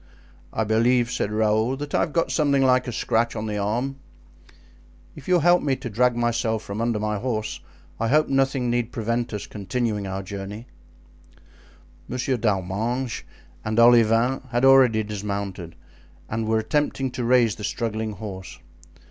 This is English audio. "I believe," said Raoul, "that I have got something like a scratch on the arm. If you will help me to drag myself from under my horse I hope nothing need prevent us continuing our journey." Monsieur d'Arminges and Olivain had already dismounted and were attempting to raise the struggling horse.